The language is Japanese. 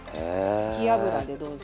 好き油でどうぞ。